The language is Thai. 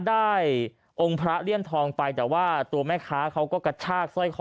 องค์พระเลี่ยมทองไปแต่ว่าตัวแม่ค้าเขาก็กระชากสร้อยคอ